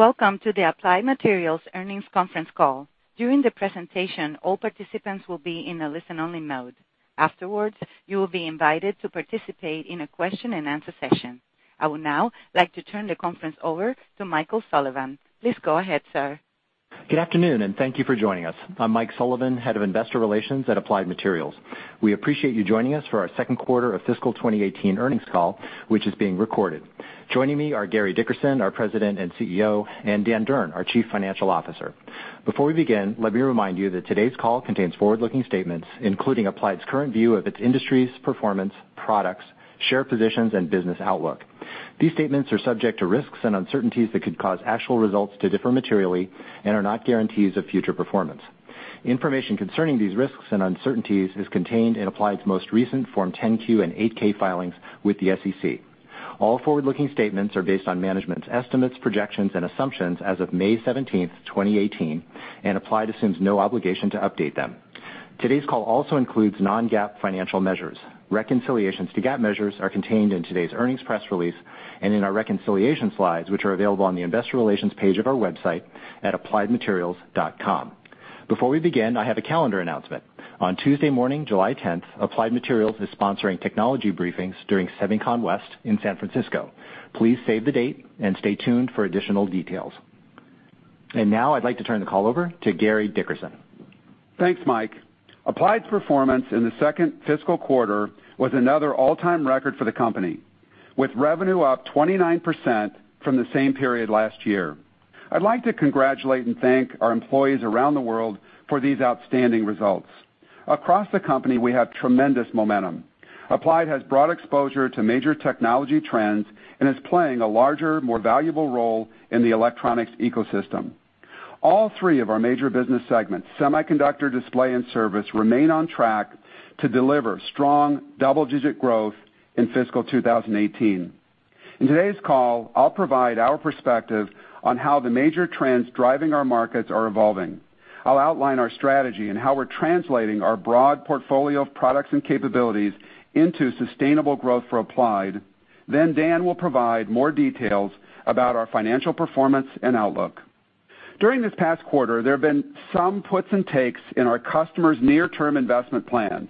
Welcome to the Applied Materials Earnings Conference Call. During the presentation, all participants will be in a listen-only mode. Afterwards, you will be invited to participate in a question-and-answer session. I would now like to turn the conference over to Michael Sullivan. Please go ahead, sir. Good afternoon, and thank you for joining us. I'm Mike Sullivan, Head of Investor Relations at Applied Materials. We appreciate you joining us for our second quarter of fiscal 2018 earnings call, which is being recorded. Joining me are Gary Dickerson, our President and CEO, and Dan Durn, our Chief Financial Officer. Before we begin, let me remind you that today's call contains forward-looking statements, including Applied's current view of its industry's performance, products, share positions, and business outlook. These statements are subject to risks and uncertainties that could cause actual results to differ materially and are not guarantees of future performance. Information concerning these risks and uncertainties is contained in Applied's most recent Form 10-Q and 8-K filings with the SEC. All forward-looking statements are based on management's estimates, projections, and assumptions as of May 17th, 2018, and Applied assumes no obligation to update them. Today's call also includes non-GAAP financial measures. Reconciliations to GAAP measures are contained in today's earnings press release and in our reconciliation slides, which are available on the investor relations page of our website at appliedmaterials.com. Before we begin, I have a calendar announcement. On Tuesday morning, July 10th, Applied Materials is sponsoring technology briefings during SEMICON West in San Francisco. Please save the date and stay tuned for additional details. Now I'd like to turn the call over to Gary Dickerson. Thanks, Mike. Applied's performance in the second fiscal quarter was another all-time record for the company, with revenue up 29% from the same period last year. I'd like to congratulate and thank our employees around the world for these outstanding results. Across the company, we have tremendous momentum. Applied has broad exposure to major technology trends and is playing a larger, more valuable role in the electronics ecosystem. All three of our major business segments, semiconductor, display, and service, remain on track to deliver strong double-digit growth in fiscal 2018. In today's call, I'll provide our perspective on how the major trends driving our markets are evolving. I'll outline our strategy and how we're translating our broad portfolio of products and capabilities into sustainable growth for Applied. Dan will provide more details about our financial performance and outlook. During this past quarter, there have been some puts and takes in our customers' near-term investment plans.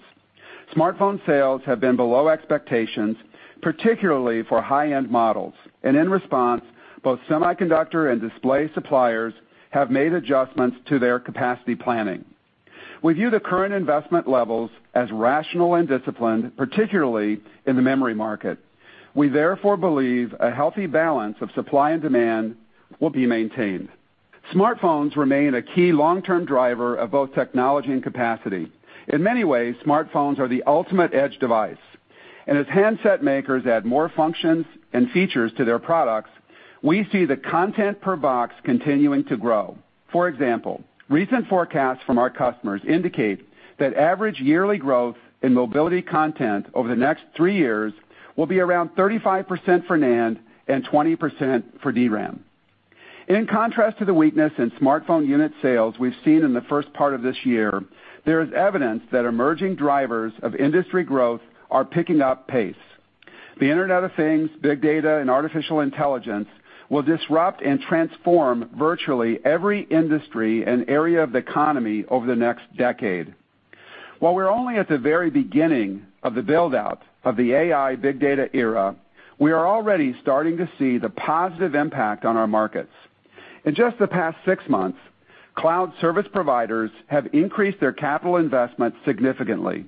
Smartphone sales have been below expectations, particularly for high-end models, and in response, both semiconductor and display suppliers have made adjustments to their capacity planning. We view the current investment levels as rational and disciplined, particularly in the memory market. We therefore believe a healthy balance of supply and demand will be maintained. Smartphones remain a key long-term driver of both technology and capacity. In many ways, smartphones are the ultimate edge device, and as handset makers add more functions and features to their products, we see the content per box continuing to grow. For example, recent forecasts from our customers indicate that average yearly growth in mobility content over the next three years will be around 35% for NAND and 20% for DRAM. In contrast to the weakness in smartphone unit sales we've seen in the first part of this year, there is evidence that emerging drivers of industry growth are picking up pace. The Internet of Things, big data, and artificial intelligence will disrupt and transform virtually every industry and area of the economy over the next decade. While we're only at the very beginning of the build-out of the AI big data era, we are already starting to see the positive impact on our markets. In just the past six months, cloud service providers have increased their capital investment significantly.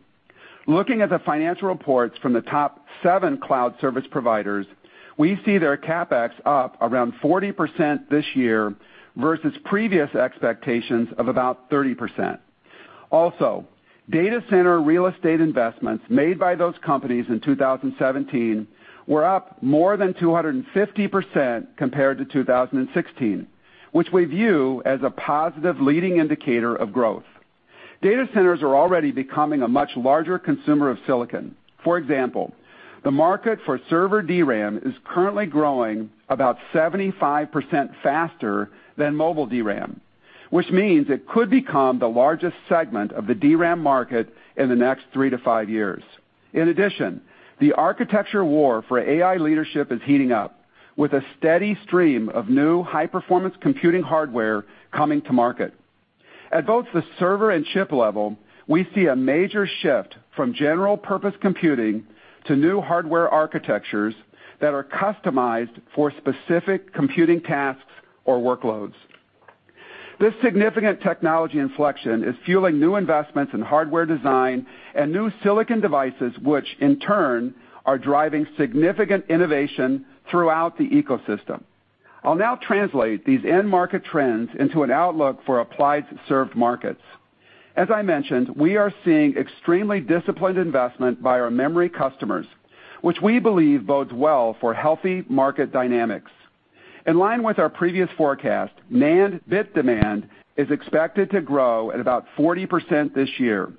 Looking at the financial reports from the top seven cloud service providers, we see their CapEx up around 40% this year versus previous expectations of about 30%. Data center real estate investments made by those companies in 2017 were up more than 250% compared to 2016, which we view as a positive leading indicator of growth. Data centers are already becoming a much larger consumer of silicon. For example, the market for server DRAM is currently growing about 75% faster than mobile DRAM, which means it could become the largest segment of the DRAM market in the next three to five years. In addition, the architecture war for AI leadership is heating up, with a steady stream of new high-performance computing hardware coming to market. At both the server and chip level, we see a major shift from general-purpose computing to new hardware architectures that are customized for specific computing tasks or workloads. This significant technology inflection is fueling new investments in hardware design and new silicon devices, which in turn are driving significant innovation throughout the ecosystem. I'll now translate these end-market trends into an outlook for Applied's served markets. As I mentioned, we are seeing extremely disciplined investment by our memory customers, which we believe bodes well for healthy market dynamics. In line with our previous forecast, NAND bit demand is expected to grow at about 40% this year.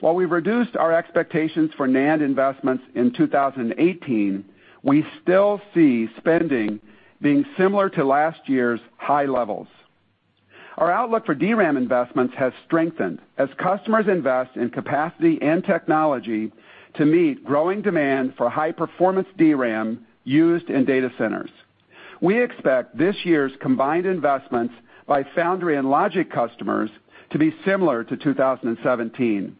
While we've reduced our expectations for NAND investments in 2018, we still see spending being similar to last year's high levels. Our outlook for DRAM investments has strengthened as customers invest in capacity and technology to meet growing demand for high-performance DRAM used in data centers. We expect this year's combined investments by foundry and logic customers to be similar to 2017.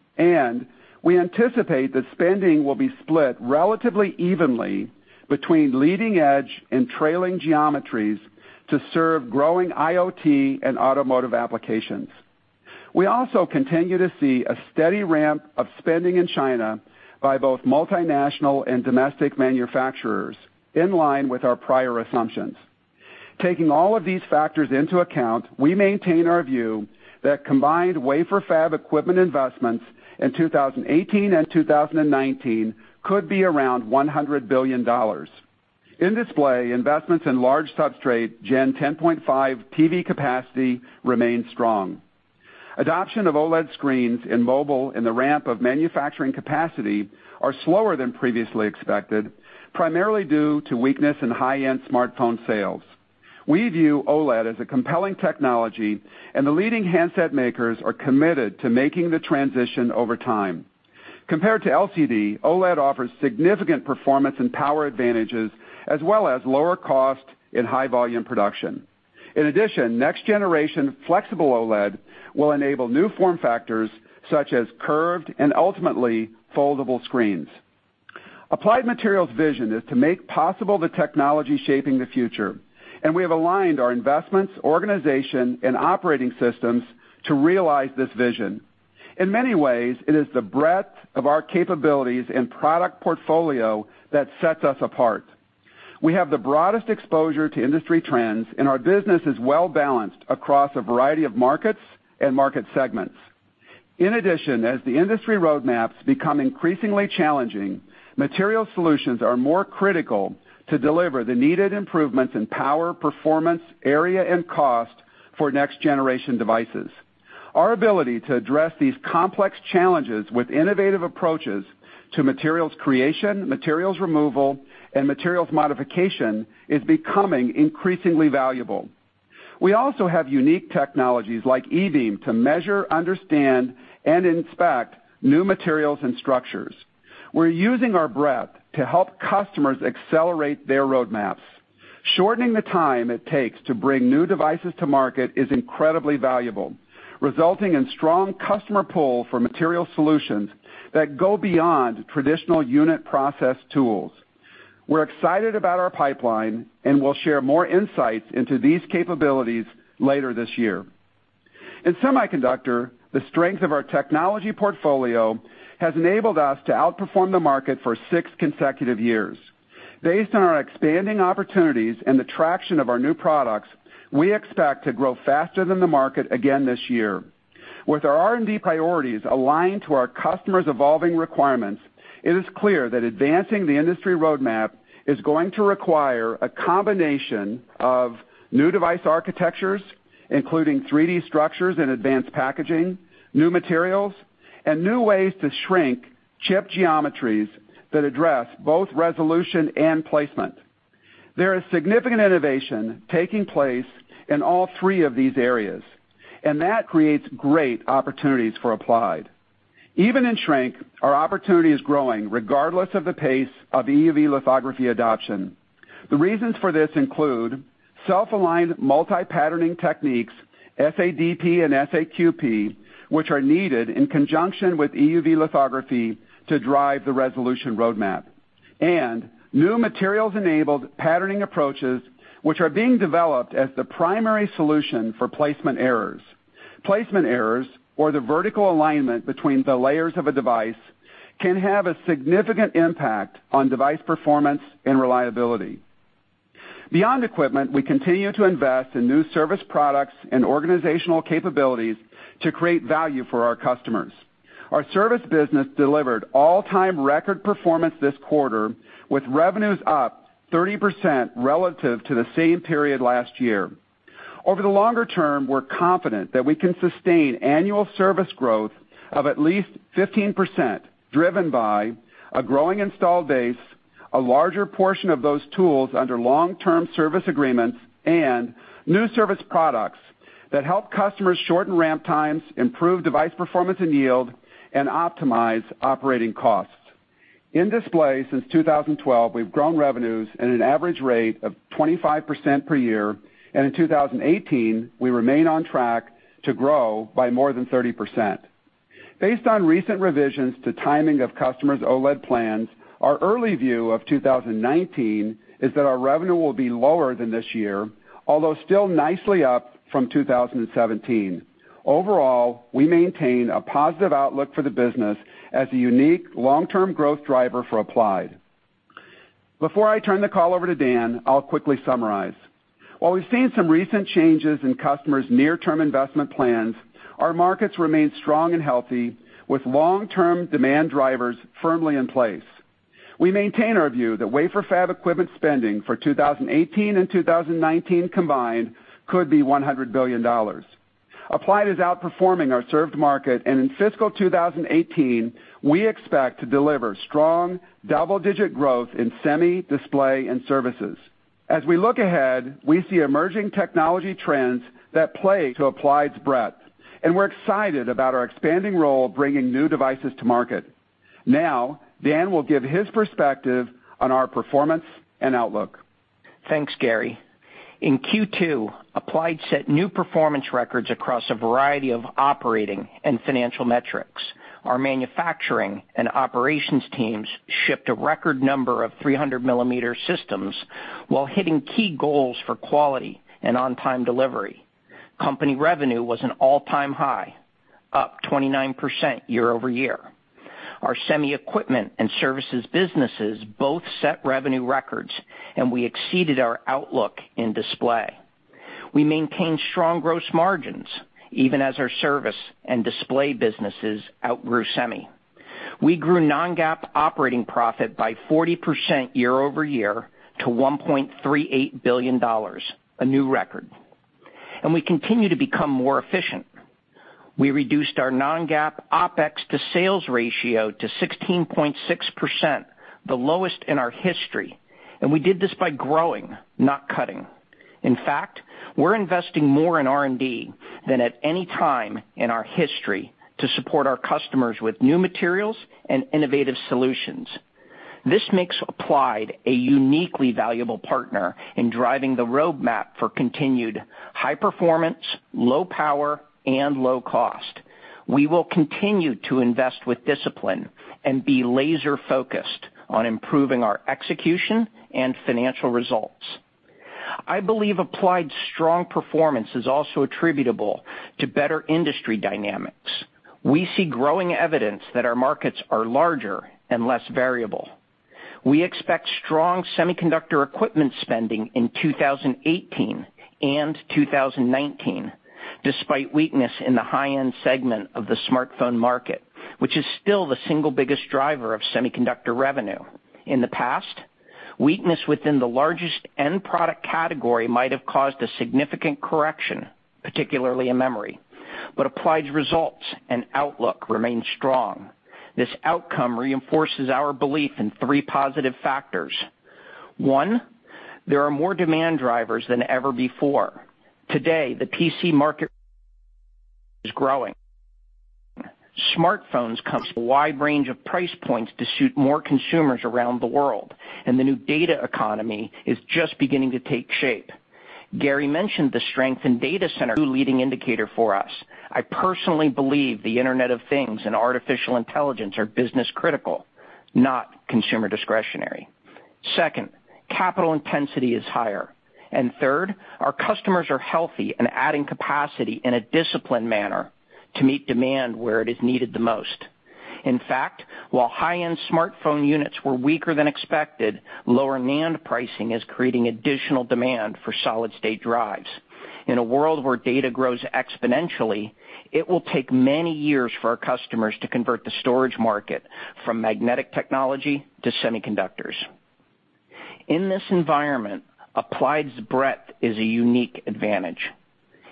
We anticipate that spending will be split relatively evenly between leading-edge and trailing geometries to serve growing IoT and automotive applications. We also continue to see a steady ramp of spending in China by both multinational and domestic manufacturers, in line with our prior assumptions. Taking all of these factors into account, we maintain our view that combined wafer fab equipment investments in 2018 and 2019 could be around $100 billion. In display, investments in large substrate Gen 10.5 TV capacity remain strong. Adoption of OLED screens in mobile and the ramp of manufacturing capacity are slower than previously expected, primarily due to weakness in high-end smartphone sales. We view OLED as a compelling technology. The leading handset makers are committed to making the transition over time. Compared to LCD, OLED offers significant performance and power advantages as well as lower cost in high-volume production. In addition, next-generation flexible OLED will enable new form factors such as curved and ultimately foldable screens. Applied Materials' vision is to make possible the technology shaping the future. We have aligned our investments, organization, and operating systems to realize this vision. In many ways, it is the breadth of our capabilities and product portfolio that sets us apart. We have the broadest exposure to industry trends. Our business is well-balanced across a variety of markets and market segments. In addition, as the industry roadmaps become increasingly challenging, material solutions are more critical to deliver the needed improvements in power, performance, area, and cost for next-generation devices. Our ability to address these complex challenges with innovative approaches to materials creation, materials removal, and materials modification is becoming increasingly valuable. We also have unique technologies like E-beam to measure, understand, and inspect new materials and structures. We're using our breadth to help customers accelerate their roadmaps. Shortening the time it takes to bring new devices to market is incredibly valuable, resulting in strong customer pull for material solutions that go beyond traditional unit process tools. We're excited about our pipeline. We'll share more insights into these capabilities later this year. In semiconductor, the strength of our technology portfolio has enabled us to outperform the market for six consecutive years. Based on our expanding opportunities and the traction of our new products, we expect to grow faster than the market again this year. With our R&D priorities aligned to our customers' evolving requirements, it is clear that advancing the industry roadmap is going to require a combination of new device architectures, including 3D structures and advanced packaging, new materials, and new ways to shrink chip geometries that address both resolution and placement. There is significant innovation taking place in all three of these areas. That creates great opportunities for Applied. Even in shrink, our opportunity is growing regardless of the pace of EUV lithography adoption. The reasons for this include self-aligned multi-patterning techniques, SADP and SAQP, which are needed in conjunction with EUV lithography to drive the resolution roadmap and new materials-enabled patterning approaches, which are being developed as the primary solution for placement errors. Placement errors or the vertical alignment between the layers of a device can have a significant impact on device performance and reliability. Beyond equipment, we continue to invest in new service products and organizational capabilities to create value for our customers. Our service business delivered all-time record performance this quarter, with revenues up 30% relative to the same period last year. Over the longer term, we're confident that we can sustain annual service growth of at least 15%, driven by a growing installed base, a larger portion of those tools under long-term service agreements, and new service products that help customers shorten ramp times, improve device performance and yield, and optimize operating costs. In display, since 2012, we've grown revenues at an average rate of 25% per year, and in 2018, we remain on track to grow by more than 30%. Based on recent revisions to timing of customers' OLED plans, our early view of 2019 is that our revenue will be lower than this year, although still nicely up from 2017. We maintain a positive outlook for the business as a unique long-term growth driver for Applied. Before I turn the call over to Dan, I'll quickly summarize. We've seen some recent changes in customers' near-term investment plans, our markets remain strong and healthy, with long-term demand drivers firmly in place. We maintain our view that wafer fab equipment spending for 2018 and 2019 combined could be $100 billion. Applied is outperforming our served market, and in fiscal 2018, we expect to deliver strong, double-digit growth in semi, display, and services. We look ahead, we see emerging technology trends that play to Applied's breadth, and we're excited about our expanding role bringing new devices to market. Dan will give his perspective on our performance and outlook. Thanks, Gary. In Q2, Applied set new performance records across a variety of operating and financial metrics. Our manufacturing and operations teams shipped a record number of 300-millimeter systems while hitting key goals for quality and on-time delivery. Company revenue was an all-time high, up 29% year-over-year. Our semi equipment and services businesses both set revenue records, and we exceeded our outlook in display. We maintained strong gross margins, even as our service and display businesses outgrew semi. We grew non-GAAP operating profit by 40% year-over-year to $1.38 billion, a new record. We continue to become more efficient. We reduced our non-GAAP OpEx to sales ratio to 16.6%, the lowest in our history, and we did this by growing, not cutting. We're investing more in R&D than at any time in our history to support our customers with new materials and innovative solutions. This makes Applied a uniquely valuable partner in driving the roadmap for continued high performance, low power, and low cost. We will continue to invest with discipline and be laser-focused on improving our execution and financial results. I believe Applied's strong performance is also attributable to better industry dynamics. We see growing evidence that our markets are larger and less variable. We expect strong semiconductor equipment spending in 2018 and 2019, despite weakness in the high-end segment of the smartphone market, which is still the single biggest driver of semiconductor revenue. In the past, weakness within the largest end product category might have caused a significant correction, particularly in memory. Applied's results and outlook remain strong. This outcome reinforces our belief in three positive factors. There are more demand drivers than ever before. The PC market is growing. Smartphones comes a wide range of price points to suit more consumers around the world, and the new data economy is just beginning to take shape. Gary mentioned the strength in data center, a new leading indicator for us. I personally believe the Internet of Things and artificial intelligence are business-critical, not consumer discretionary. Second, capital intensity is higher. And third, our customers are healthy and adding capacity in a disciplined manner to meet demand where it is needed the most. In fact, while high-end smartphone units were weaker than expected, lower NAND pricing is creating additional demand for solid-state drives. In a world where data grows exponentially, it will take many years for our customers to convert the storage market from magnetic technology to semiconductors. In this environment, Applied's breadth is a unique advantage.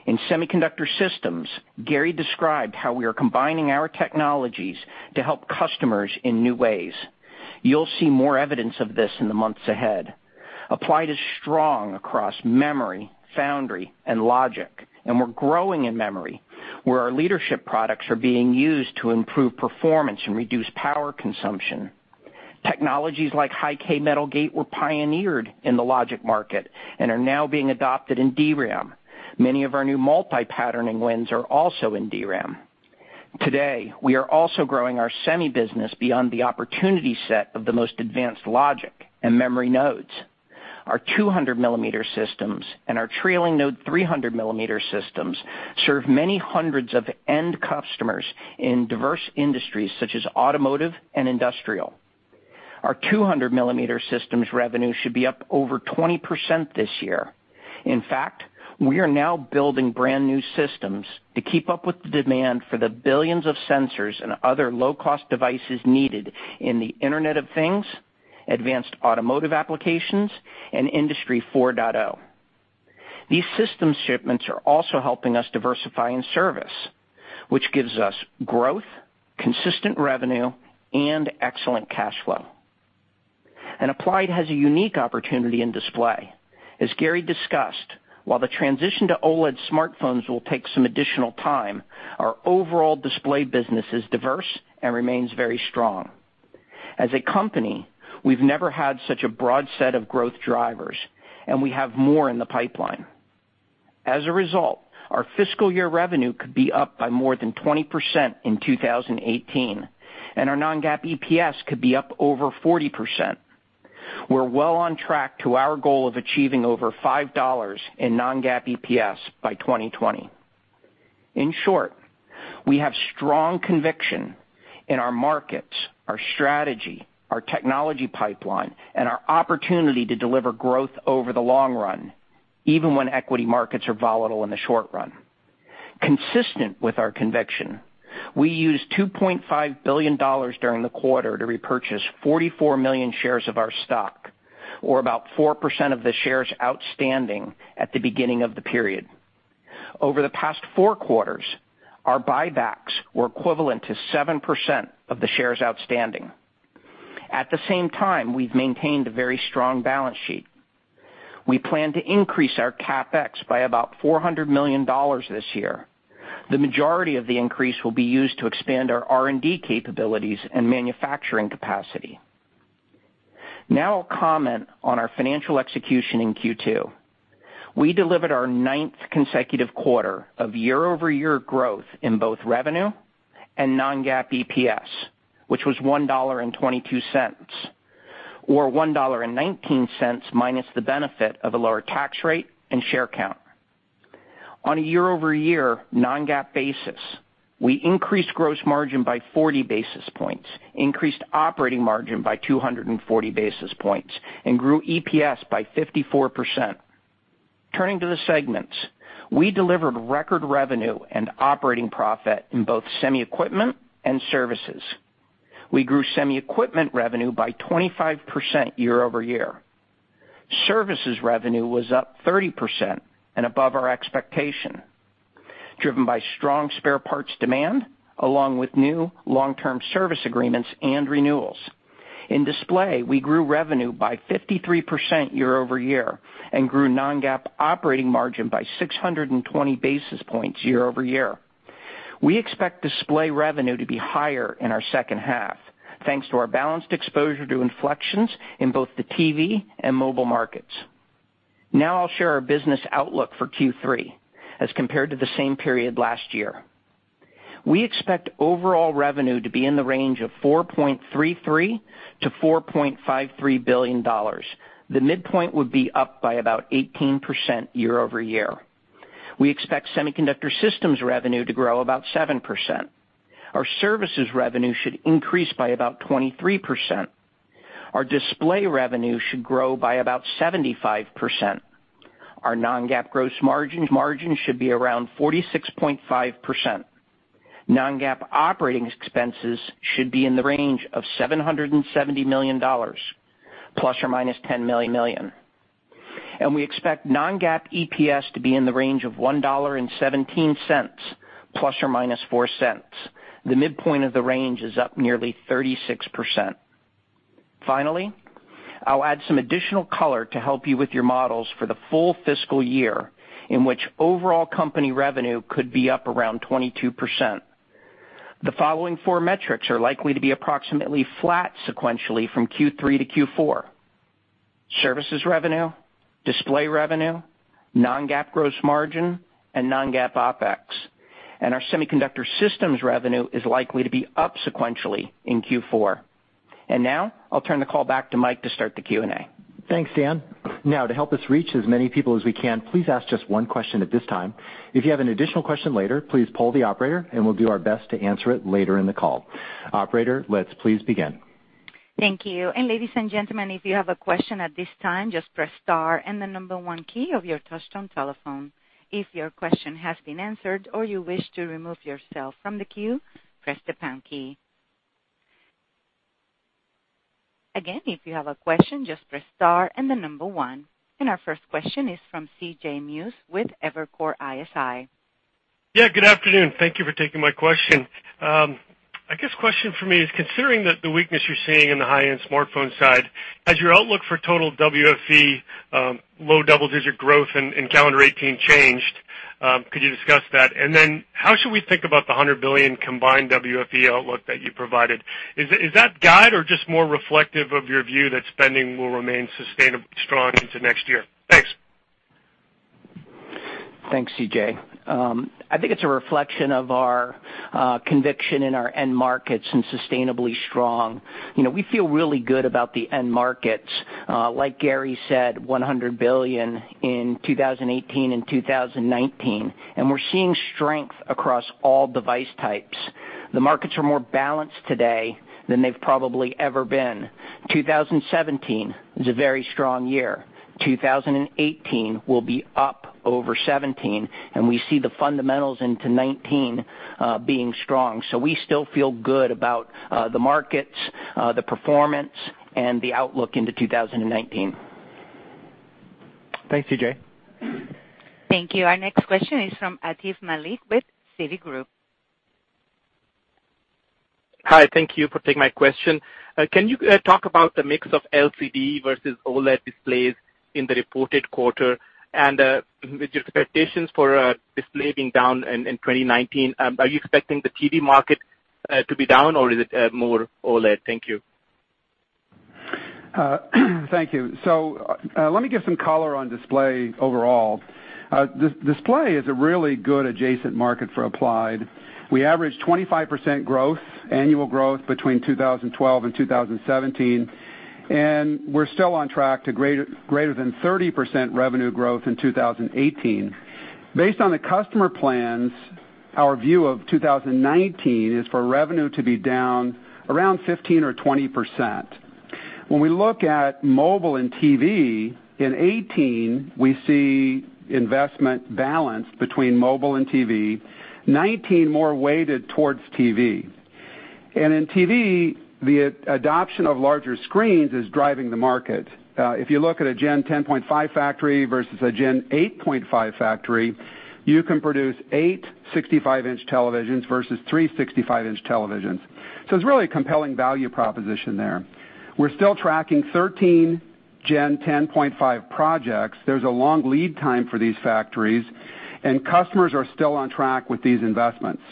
In semiconductor systems, Gary described how we are combining our technologies to help customers in new ways. You'll see more evidence of this in the months ahead. Applied is strong across memory, foundry, and logic, and we're growing in memory, where our leadership products are being used to improve performance and reduce power consumption. Technologies like High-k metal gate were pioneered in the logic market and are now being adopted in DRAM. Many of our new multi-patterning wins are also in DRAM. Today, we are also growing our semi business beyond the opportunity set of the most advanced logic and memory nodes. Our 200-millimeter systems and our trailing node 300-millimeter systems serve many hundreds of end customers in diverse industries, such as automotive and industrial. Our 200-millimeter systems revenue should be up over 20% this year. In fact, we are now building brand-new systems to keep up with the demand for the billions of sensors and other low-cost devices needed in the Internet of Things, advanced automotive applications, and Industry 4.0. These system shipments are also helping us diversify in service, which gives us growth, consistent revenue, and excellent cash flow. And Applied has a unique opportunity in display. As Gary discussed, while the transition to OLED smartphones will take some additional time, our overall display business is diverse and remains very strong. As a company, we've never had such a broad set of growth drivers, and we have more in the pipeline. As a result, our fiscal year revenue could be up by more than 20% in 2018, and our non-GAAP EPS could be up over 40%. We're well on track to our goal of achieving over $5 in non-GAAP EPS by 2020. In short, we have strong conviction in our markets, our strategy, our technology pipeline, and our opportunity to deliver growth over the long run, even when equity markets are volatile in the short run. Consistent with our conviction, we used $2.5 billion during the quarter to repurchase 44 million shares of our stock. About 4% of the shares outstanding at the beginning of the period. Over the past four quarters, our buybacks were equivalent to 7% of the shares outstanding. At the same time, we've maintained a very strong balance sheet. We plan to increase our CapEx by about $400 million this year. The majority of the increase will be used to expand our R&D capabilities and manufacturing capacity. Now I'll comment on our financial execution in Q2. We delivered our ninth consecutive quarter of year-over-year growth in both revenue and non-GAAP EPS, which was $1.22, or $1.19 minus the benefit of a lower tax rate and share count. On a year-over-year non-GAAP basis, we increased gross margin by 40 basis points, increased operating margin by 240 basis points, and grew EPS by 54%. Turning to the segments, we delivered record revenue and operating profit in both semi equipment and services. We grew semi equipment revenue by 25% year-over-year. Services revenue was up 30% and above our expectation, driven by strong spare parts demand along with new long-term service agreements and renewals. In display, we grew revenue by 53% year-over-year and grew non-GAAP operating margin by 620 basis points year-over-year. We expect display revenue to be higher in our second half, thanks to our balanced exposure to inflections in both the TV and mobile markets. Now I'll share our business outlook for Q3 as compared to the same period last year. We expect overall revenue to be in the range of $4.33 billion-$4.53 billion. The midpoint would be up by about 18% year-over-year. We expect semiconductor systems revenue to grow about 7%. Our services revenue should increase by about 23%. Our display revenue should grow by about 75%. Our non-GAAP gross margin should be around 46.5%. Non-GAAP operating expenses should be in the range of $770 million, ±$10 million. We expect non-GAAP EPS to be in the range of $1.17, ±$0.04. The midpoint of the range is up nearly 36%. Finally, I'll add some additional color to help you with your models for the full fiscal year, in which overall company revenue could be up around 22%. The following four metrics are likely to be approximately flat sequentially from Q3 to Q4: services revenue, display revenue, non-GAAP gross margin, and non-GAAP OpEx. Our semiconductor systems revenue is likely to be up sequentially in Q4. Now I'll turn the call back to Mike to start the Q&A. Thanks, Dan. Now, to help us reach as many people as we can, please ask just one question at this time. If you have an additional question later, please pull the operator, and we'll do our best to answer it later in the call. Operator, let's please begin. Thank you. Ladies and gentlemen, if you have a question at this time, just press star and the number one key of your touchtone telephone. If your question has been answered, or you wish to remove yourself from the queue, press the pound key. Again, if you have a question, just press star and the number one. Our first question is from C.J. Muse with Evercore ISI. Good afternoon. Thank you for taking my question. I guess question for me is, considering that the weakness you're seeing in the high-end smartphone side, has your outlook for total WFE low double-digit growth in calendar 2018 changed? Could you discuss that? How should we think about the $100 billion combined WFE outlook that you provided? Is that guide or just more reflective of your view that spending will remain sustainably strong into next year? Thanks. Thanks, C.J. I think it's a reflection of our conviction in our end markets and sustainably strong. We feel really good about the end markets. Like Gary said, $100 billion in 2018 and 2019, and we're seeing strength across all device types. The markets are more balanced today than they've probably ever been. 2017 is a very strong year. 2018 will be up over 2017, we see the fundamentals into 2019 being strong. We still feel good about the markets, the performance, and the outlook into 2019. Thanks, C.J. Thank you. Our next question is from Atif Malik with Citigroup. Hi, thank you for taking my question. Can you talk about the mix of LCD versus OLED displays in the reported quarter and with your expectations for display being down in 2019, are you expecting the TV market to be down, or is it more OLED? Thank you. Thank you. Let me give some color on display overall. Display is a really good adjacent market for Applied. We averaged 25% growth, annual growth between 2012 and 2017, and we're still on track to greater than 30% revenue growth in 2018. Based on the customer plans, our view of 2019 is for revenue to be down around 15%-20%. When we look at mobile and TV, in 2018, we see investment balance between mobile and TV, 2019 more weighted towards TV. In TV, the adoption of larger screens is driving the market. If you look at a Gen 10.5 factory versus a Gen 8.5 factory, you can produce eight 65-inch televisions versus three 65-inch televisions. It's really a compelling value proposition there. We're still tracking 13 Gen 10.5 projects. There's a long lead time for these factories, and customers are still on track with these investments.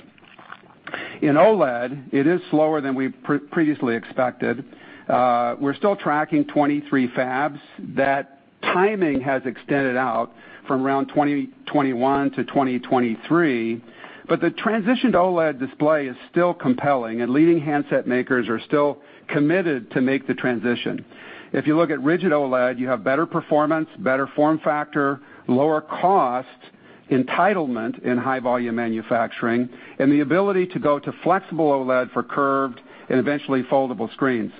In OLED, it is slower than we previously expected. We're still tracking 23 fabs. That timing has extended out from around 2021 to 2023, but the transition to OLED display is still compelling, and leading handset makers are still committed to make the transition. If you look at rigid OLED, you have better performance, better form factor, lower cost, entitlement in high-volume manufacturing, and the ability to go to flexible OLED for curved and eventually foldable screens.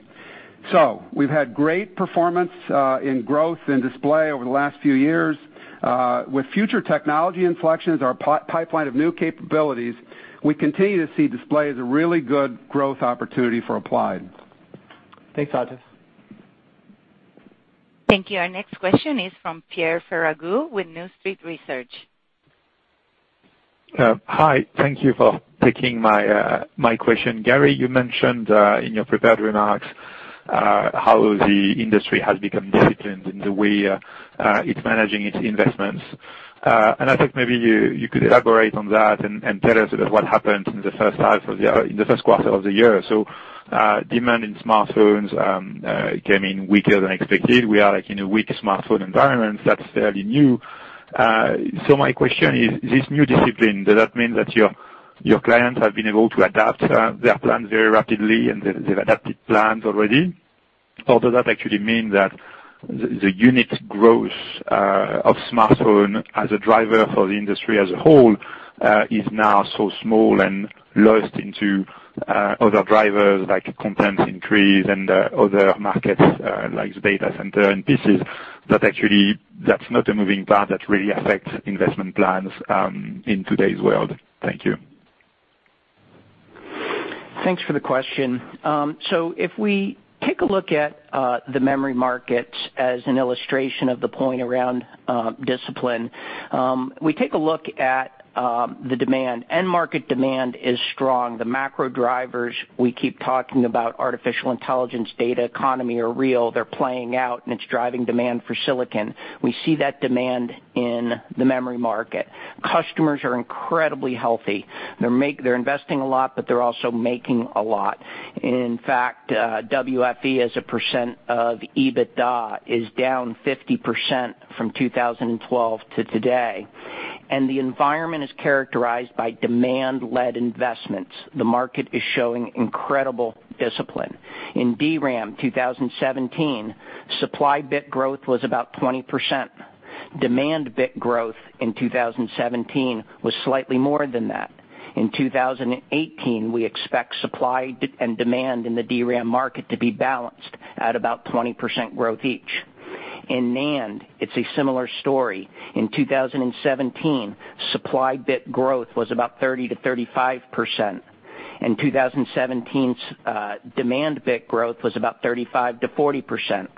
We've had great performance in growth in display over the last few years. With future technology inflections, our pipeline of new capabilities, we continue to see display as a really good growth opportunity for Applied. Thanks, Atif. Thank you. Our next question is from Pierre Ferragu with New Street Research. Hi. Thank you for taking my question. Gary, you mentioned, in your prepared remarks, how the industry has become disciplined in the way it's managing its investments. I think maybe you could elaborate on that and tell us a bit what happened in the first half of the year, in the first quarter of the year. Demand in smartphones came in weaker than expected. We are like in a weak smartphone environment that's fairly new. My question is, this new discipline, does that mean that your clients have been able to adapt their plans very rapidly, and they've adapted plans already? Does that actually mean that the unit growth of smartphone as a driver for the industry as a whole, is now so small and lost into other drivers, like content increase and other markets, like data center and PCs, that actually, that's not a moving part that really affects investment plans in today's world? Thank you. Thanks for the question. If we take a look at the memory markets as an illustration of the point around discipline, we take a look at the demand. End market demand is strong. The macro drivers we keep talking about, artificial intelligence, data economy, are real. They're playing out, and it's driving demand for silicon. We see that demand in the memory market. Customers are incredibly healthy. They're investing a lot, but they're also making a lot. In fact, WFE as a percent of EBITDA is down 50% from 2012 to today. The environment is characterized by demand-led investments. The market is showing incredible discipline. In DRAM 2017, supply bit growth was about 20%. Demand bit growth in 2017 was slightly more than that. In 2018, we expect supply and demand in the DRAM market to be balanced at about 20% growth each. In NAND, it's a similar story. In 2017, supply bit growth was about 30%-35%, and 2017's demand bit growth was about 35%-40%.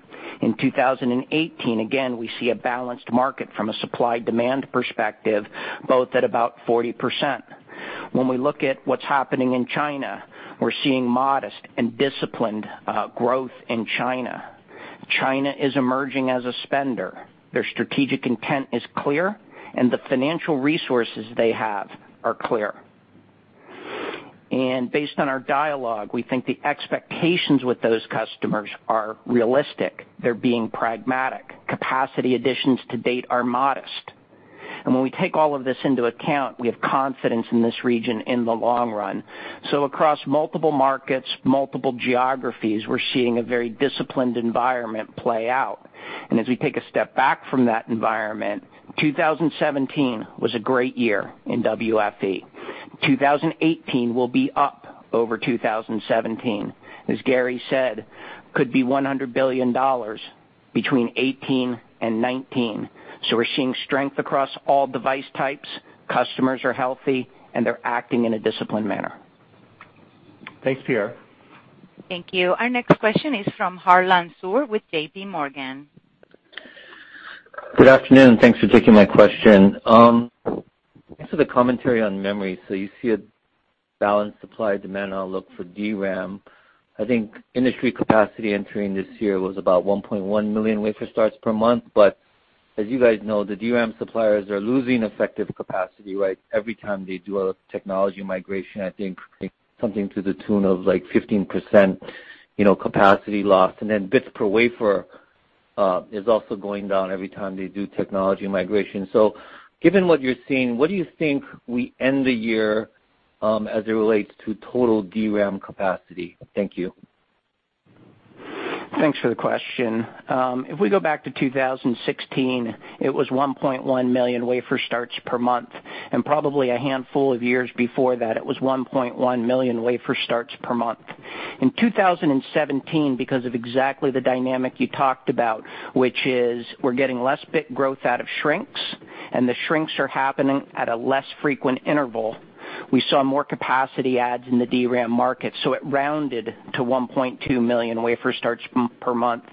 In 2018, again, we see a balanced market from a supply-demand perspective, both at about 40%. When we look at what's happening in China, we're seeing modest and disciplined growth in China. China is emerging as a spender. Their strategic intent is clear, and the financial resources they have are clear. Based on our dialogue, we think the expectations with those customers are realistic. They're being pragmatic. Capacity additions to date are modest. When we take all of this into account, we have confidence in this region in the long run. Across multiple markets, multiple geographies, we're seeing a very disciplined environment play out. As we take a step back from that environment, 2017 was a great year in WFE. 2018 will be up over 2017. As Gary said, could be $100 billion between 2018 and 2019. We're seeing strength across all device types. Customers are healthy, and they're acting in a disciplined manner. Thanks, Pierre. Thank you. Our next question is from Harlan Sur with J.P. Morgan. Good afternoon. Thanks for taking my question. Thanks for the commentary on memory. You see a balanced supply-demand outlook for DRAM. I think industry capacity entering this year was about 1.1 million wafer starts per month. As you guys know, the DRAM suppliers are losing effective capacity, right? Every time they do a technology migration, I think something to the tune of like 15% capacity loss. Bits per wafer is also going down every time they do technology migration. Given what you're seeing, what do you think we end the year, as it relates to total DRAM capacity? Thank you. Thanks for the question. If we go back to 2016, it was 1.1 million wafer starts per month. Probably a handful of years before that, it was 1.1 million wafer starts per month. In 2017, because of exactly the dynamic you talked about, which is we're getting less bit growth out of shrinks. The shrinks are happening at a less frequent interval. We saw more capacity adds in the DRAM market. It rounded to 1.2 million wafer starts per month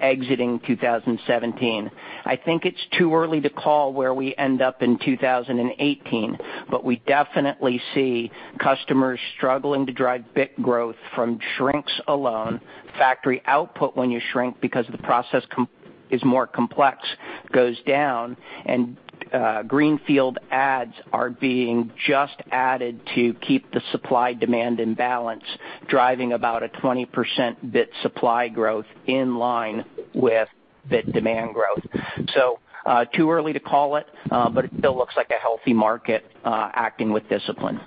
exiting 2017. I think it's too early to call where we end up in 2018. We definitely see customers struggling to drive bit growth from shrinks alone. Factory output when you shrink, because the process is more complex, goes down. Greenfield adds are being just added to keep the supply-demand in balance, driving about a 20% bit supply growth in line with bit demand growth. Too early to call it. It still looks like a healthy market acting with discipline.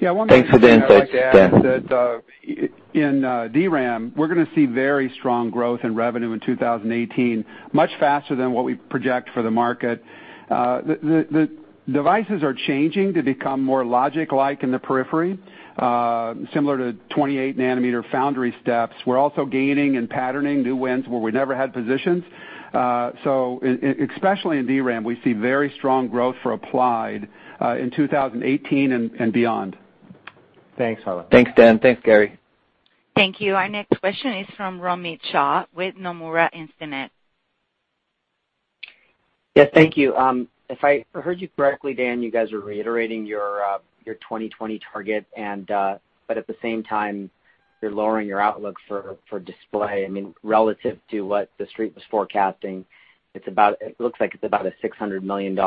Yeah, one thing- Thanks for the insight, Dan. I'd like to add, that in DRAM, we're going to see very strong growth in revenue in 2018, much faster than what we project for the market. The devices are changing to become more logic-like in the periphery, similar to 28-nanometer foundry steps. We're also gaining and patterning new wins where we never had positions. Especially in DRAM, we see very strong growth for Applied in 2018 and beyond. Thanks, Harlan. Thanks, Dan. Thanks, Gary. Thank you. Our next question is from Romit Shah with Nomura Instinet. Yeah, thank you. If I heard you correctly, Dan, you guys are reiterating your 2020 target. At the same time, you're lowering your outlook for display. I mean, relative to what the Street was forecasting, it looks like it's about a $600 million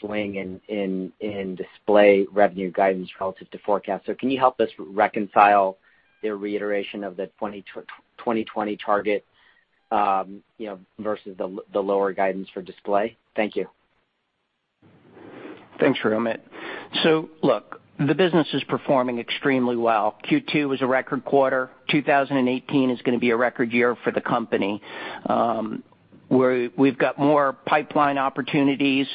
swing in display revenue guidance relative to forecast. Can you help us reconcile the reiteration of the 2020 target versus the lower guidance for display? Thank you. Thanks, Romit. Look, the business is performing extremely well. Q2 was a record quarter. 2018 is going to be a record year for the company, where we've got more pipeline opportunities,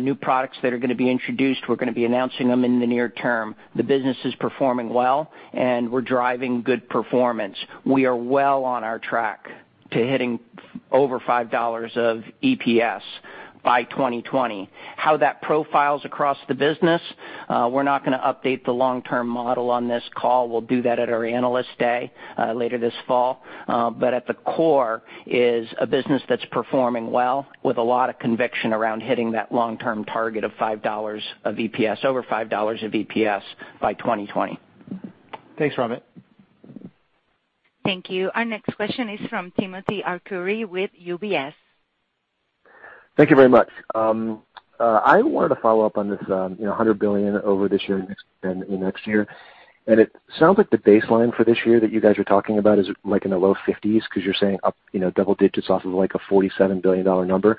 new products that are going to be introduced. We're going to be announcing them in the near term. The business is performing well, and we're driving good performance. We are well on our track to hitting over $5 of EPS by 2020. How that profiles across the business, we're not going to update the long-term model on this call. We'll do that at our Analyst Day later this fall. At the core is a business that's performing well with a lot of conviction around hitting that long-term target of $5 of EPS, over $5 of EPS by 2020. Thanks, Romit. Thank you. Our next question is from Timothy Arcuri with UBS. Thank you very much. I wanted to follow up on this $100 billion over this year and next year. It sounds like the baseline for this year that you guys are talking about is in the low 50s, because you're saying double digits off of a $47 billion number.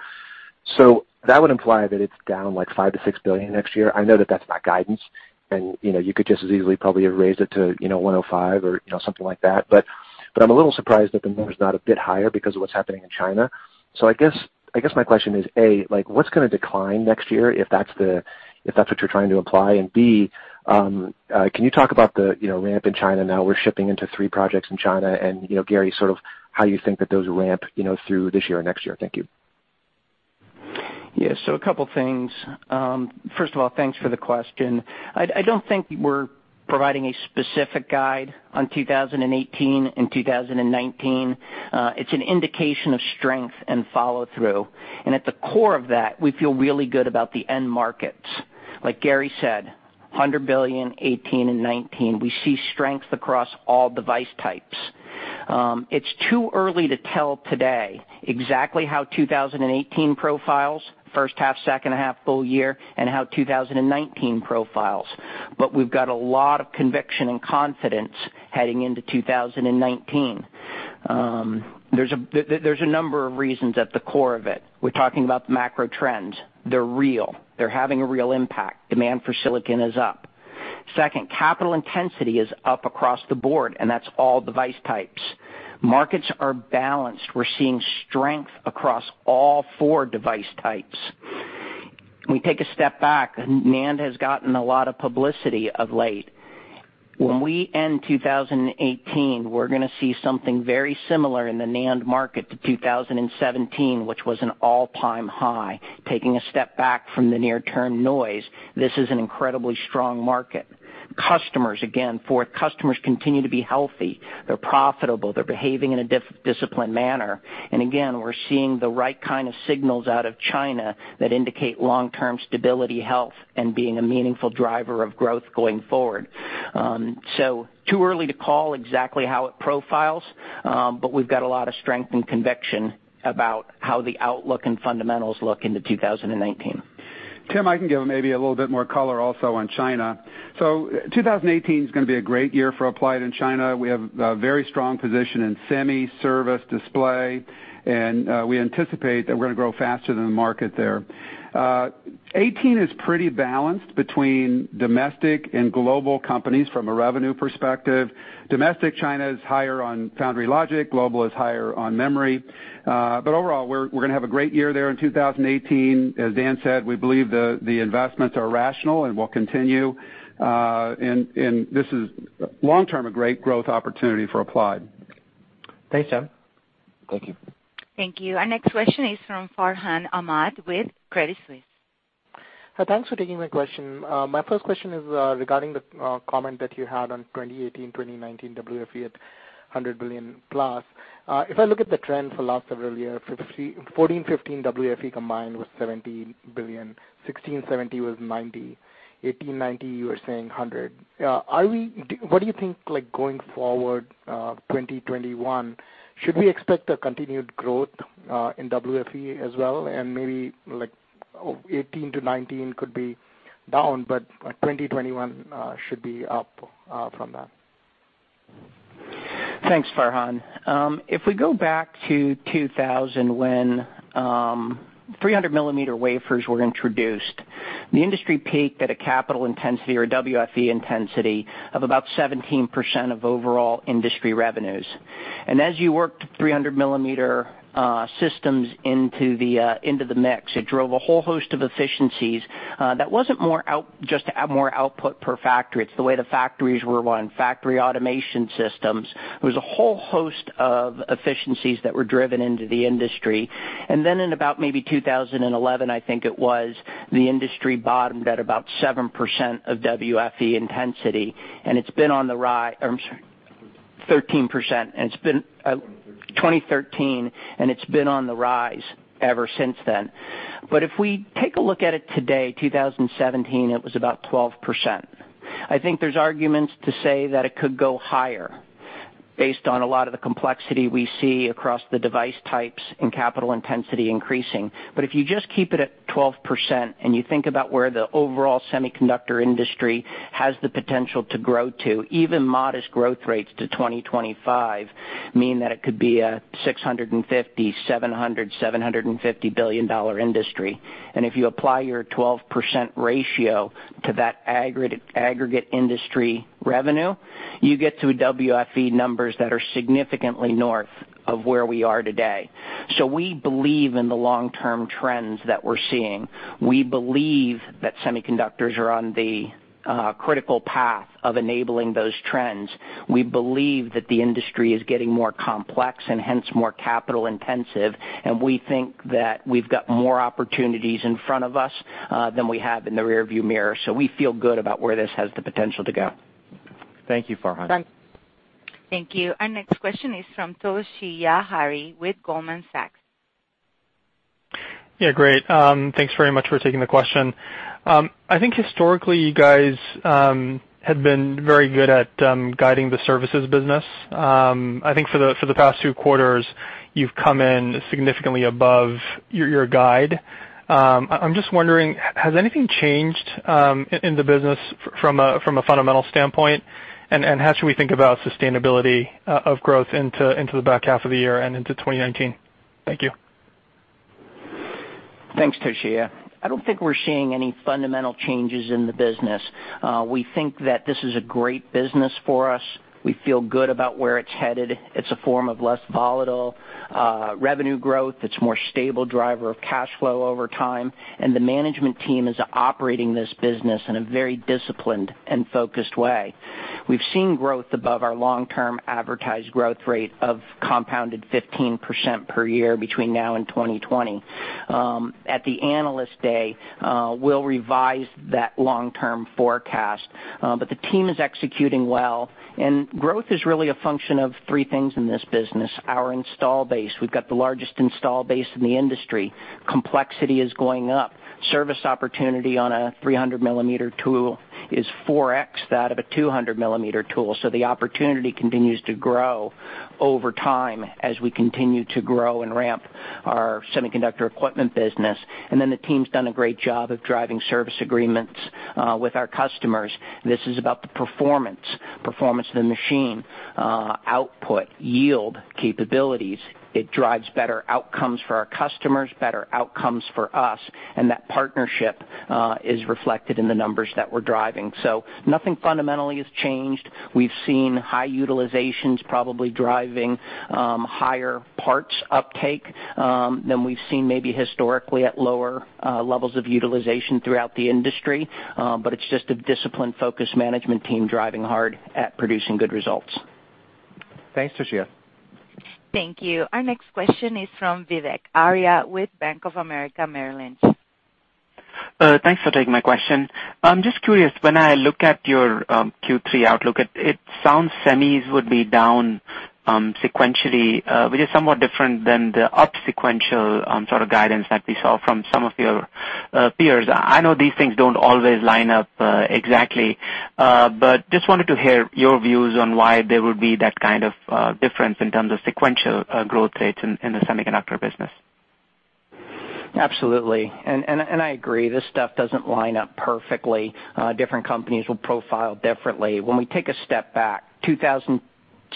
That would imply that it's down $5 billion-$6 billion next year. I know that that's not guidance, and you could just as easily probably have raised it to $105 or something like that. I'm a little surprised that the number's not a bit higher because of what's happening in China. I guess my question is, A, what's going to decline next year if that's what you're trying to imply? B, can you talk about the ramp in China now? We're shipping into three projects in China, Gary, sort of how you think that those ramp through this year or next year. Thank you. A couple of things. First of all, thanks for the question. I don't think we're providing a specific guide on 2018 and 2019. It's an indication of strength and follow-through. At the core of that, we feel really good about the end markets. Like Gary said, $100 billion 2018 and 2019. We see strength across all device types. It's too early to tell today exactly how 2018 profiles, first half, second half, full year, and how 2019 profiles. We've got a lot of conviction and confidence heading into 2019. There's a number of reasons at the core of it. We're talking about the macro trends. They're real. They're having a real impact. Demand for silicon is up. Second, capital intensity is up across the board, and that's all device types. Markets are balanced. We're seeing strength across all four device types. We take a step back, NAND has gotten a lot of publicity of late. When we end 2018, we're going to see something very similar in the NAND market to 2017, which was an all-time high. Taking a step back from the near-term noise, this is an incredibly strong market. Customers, again, customers continue to be healthy. They're profitable. They're behaving in a disciplined manner. Again, we're seeing the right kind of signals out of China that indicate long-term stability, health, and being a meaningful driver of growth going forward. Too early to call exactly how it profiles. We've got a lot of strength and conviction about how the outlook and fundamentals look into 2019. Tim, I can give maybe a little bit more color also on China. 2018 is going to be a great year for Applied in China. We have a very strong position in semi, service, display, and we anticipate that we're going to grow faster than the market there. 2018 is pretty balanced between domestic and global companies from a revenue perspective. Domestic China is higher on foundry logic. Global is higher on memory. Overall, we're going to have a great year there in 2018. As Dan said, we believe the investments are rational and will continue. This is long-term, a great growth opportunity for Applied. Thanks, Tim. Thank you. Thank you. Our next question is from Farhan Ahmad with Credit Suisse. Thanks for taking my question. My first question is regarding the comment that you had on 2018, 2019 WFE at $100 billion plus. If I look at the trend for the last several years, 2014, 2015, WFE combined was $70 billion, 2016, 2017 was $90 billion, 2018, 2019, you are saying $100 billion. What do you think going forward, 2021, should we expect a continued growth in WFE as well and maybe like 2018 to 2019 could be down, 2021 should be up from that? Thanks, Farhan. If we go back to 2000 when 300-millimeter wafers were introduced, the industry peaked at a capital intensity or WFE intensity of about 17% of overall industry revenues. As you worked 300-millimeter systems into the mix, it drove a whole host of efficiencies that wasn't just to add more output per factory. It's the way the factories were run, factory automation systems. There was a whole host of efficiencies that were driven into the industry. In about maybe 2011, I think it was, the industry bottomed at about 7% of WFE intensity. It's been on the rise, I'm sorry, 13%, 2013. It's been on the rise ever since then. If we take a look at it today, 2017, it was about 12%. I think there's arguments to say that it could go higher based on a lot of the complexity we see across the device types and capital intensity increasing. If you just keep it at 12% and you think about where the overall semiconductor industry has the potential to grow to, even modest growth rates to 2025 mean that it could be a $650, $700, $750 billion industry. If you apply your 12% ratio to that aggregate industry revenue, you get to WFE numbers that are significantly north of where we are today. We believe in the long-term trends that we're seeing. We believe that semiconductors are on the critical path of enabling those trends. We believe that the industry is getting more complex and hence more capital intensive, and we think that we've got more opportunities in front of us than we have in the rear view mirror. We feel good about where this has the potential to go. Thank you, Farhan. Thank you. Our next question is from Toshiya Hari with Goldman Sachs. Yeah, great. Thanks very much for taking the question. I think historically, you guys have been very good at guiding the services business. I think for the past two quarters, you've come in significantly above your guide. I'm just wondering, has anything changed in the business from a fundamental standpoint? How should we think about sustainability of growth into the back half of the year and into 2019? Thank you. Thanks, Toshiya. I don't think we're seeing any fundamental changes in the business. We think that this is a great business for us. We feel good about where it's headed. It's a form of less volatile revenue growth. It's a more stable driver of cash flow over time, the management team is operating this business in a very disciplined and focused way. We've seen growth above our long-term advertised growth rate of compounded 15% per year between now and 2020. At the Analyst Day, we'll revise that long-term forecast. The team is executing well, and growth is really a function of three things in this business. Our install base, we've got the largest install base in the industry. Complexity is going up. Service opportunity on a 300-millimeter tool is 4x that of a 200-millimeter tool. The opportunity continues to grow over time as we continue to grow and ramp our semiconductor equipment business. The team's done a great job of driving service agreements with our customers. This is about the performance of the machine, output, yield capabilities. It drives better outcomes for our customers, better outcomes for us, that partnership is reflected in the numbers that we're driving. Nothing fundamentally has changed. We've seen high utilizations probably driving higher parts uptake than we've seen maybe historically at lower levels of utilization throughout the industry. It's just a disciplined, focused management team driving hard at producing good results. Thanks, Toshiya. Thank you. Our next question is from Vivek Arya with Bank of America, Merrill Lynch. Thanks for taking my question. I'm just curious, when I look at your Q3 outlook, it sounds semis would be down sequentially, which is somewhat different than the up sequential sort of guidance that we saw from some of your peers. I know these things don't always line up exactly, but just wanted to hear your views on why there would be that kind of difference in terms of sequential growth rates in the semiconductor business. Absolutely. I agree, this stuff doesn't line up perfectly. Different companies will profile differently. When we take a step back,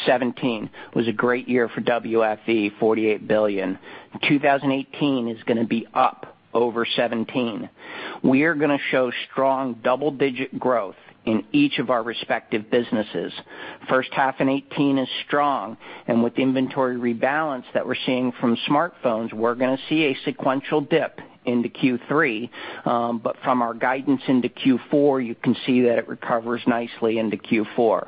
2017 was a great year for WFE, $48 billion. 2018 is going to be up over 2017. We are going to show strong double-digit growth in each of our respective businesses. First half in 2018 is strong, and with the inventory rebalance that we're seeing from smartphones, we're going to see a sequential dip into Q3. From our guidance into Q4, you can see that it recovers nicely into Q4.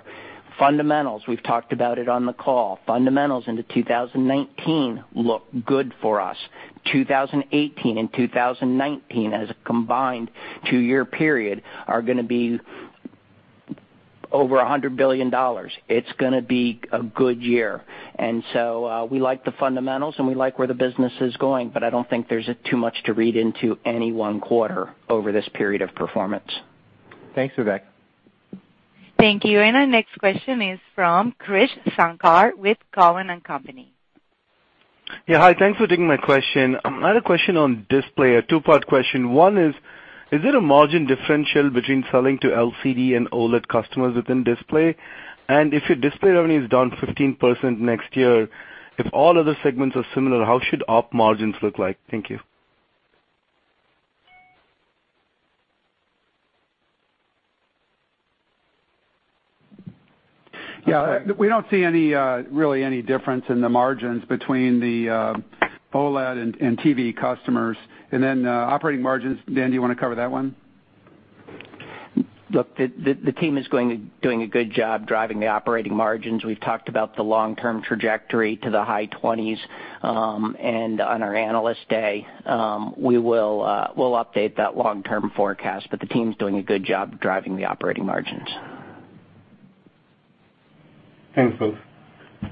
Fundamentals, we've talked about it on the call. Fundamentals into 2019 look good for us. 2018 and 2019 as a combined two-year period are going to be over $100 billion. It's going to be a good year. We like the fundamentals, and we like where the business is going, but I don't think there's too much to read into any one quarter over this period of performance. Thanks, Vivek. Thank you. Our next question is from Krish Sankar with Cowen and Company. Yeah, hi. Thanks for taking my question. I had a question on display, a two-part question. One is there a margin differential between selling to LCD and OLED customers within display? If your display revenue is down 15% next year, if all other segments are similar, how should op margins look like? Thank you. Yeah. We don't see really any difference in the margins between the OLED and TV customers. Then operating margins, Dan, do you want to cover that one? Look, the team is doing a good job driving the operating margins. We've talked about the long-term trajectory to the high 20s. On our Analyst Day, we'll update that long-term forecast, the team's doing a good job driving the operating margins. Thanks, both. Thank you.